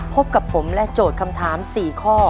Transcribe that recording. พบกับผมและโจทย์คำถาม๔ข้อ